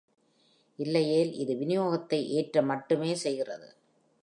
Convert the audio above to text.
இல்லையேல் இது விநியோகத்தை ஏற்ற மட்டுமே செய்கிறது.